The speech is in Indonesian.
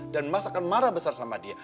dan mas akan marah besar sama dia